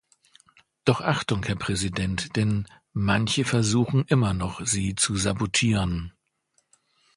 Doch Achtung, Herr Präsident, denn manche versuchen immer noch, sie zu sabotieren!